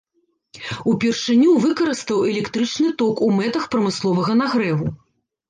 Упершыню выкарыстаў электрычны ток у мэтах прамысловага нагрэву.